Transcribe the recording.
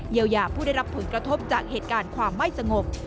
ยาวยาผู้ได้รับผลกระทบจากเหตุการณ์ความไม่สงบ